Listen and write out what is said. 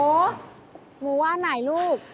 โอ้โฮรู้ว่าไหนลูก